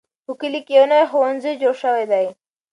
په کلي کې یو نوی ښوونځی جوړ شوی دی.